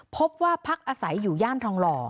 พบว่าพักอาศัยอยู่ย่านทองหล่อ